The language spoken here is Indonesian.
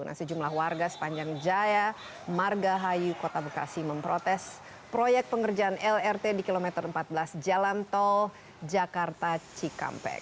nah sejumlah warga sepanjang jaya margahayu kota bekasi memprotes proyek pengerjaan lrt di kilometer empat belas jalan tol jakarta cikampek